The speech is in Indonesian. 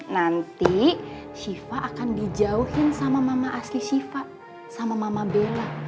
nanti shiva akan dijauhin sama mama asli syifa sama mama bella